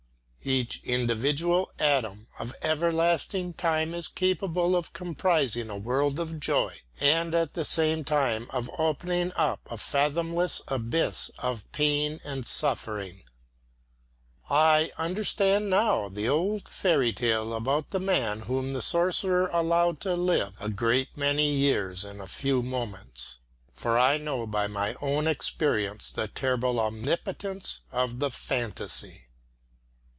Each individual atom of everlasting time is capable of comprising a world of joy, and at the same time of opening up a fathomless abyss of pain and suffering. I understand now the old fairy tale about the man whom the sorcerer allowed to live a great many years in a few moments. For I know by my own experience the terrible omnipotence of the fantasy.